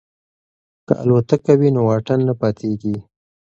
که الوتکه وي نو واټن نه پاتیږي.